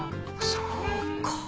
そうか。